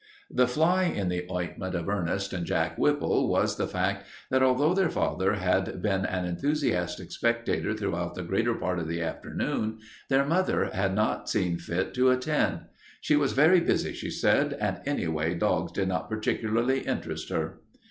The only fly in the ointment of Ernest and Jack Whipple was the fact that, although their father had been an enthusiastic spectator throughout the greater part of the afternoon, their mother had not seen fit to attend. She was very busy, she said, and anyway, dogs did not particularly interest her.